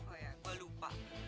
oh ya gue lupa